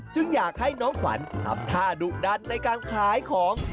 อยากให้น้องขวัญทำท่าดุดันในการขายของ